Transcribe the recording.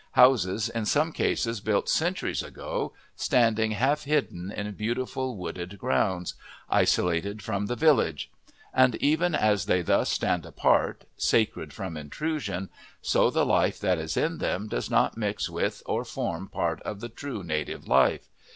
Houses, in some cases built centuries ago, standing half hidden in beautiful wooded grounds, isolated from the village; and even as they thus stand apart, sacred from intrusion, so the life that is in them does not mix with or form part of the true native life.